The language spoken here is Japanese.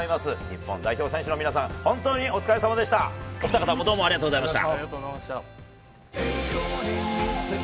日本代表選手の皆さん、本当にお疲れさまでした。